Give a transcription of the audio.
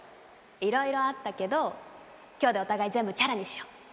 いろいろあったけど今日でお互い全部チャラにしよ。